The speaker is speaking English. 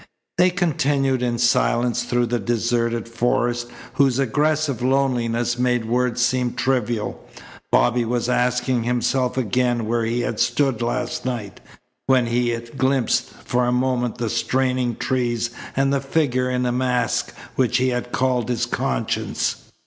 They continued in silence through the deserted forest whose aggressive loneliness made words seem trivial. Bobby was asking himself again where he had stood last night when he had glimpsed for a moment the straining trees and the figure in a mask which he had called his conscience.